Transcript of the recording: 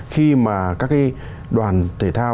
khi mà các cái đoàn thể thao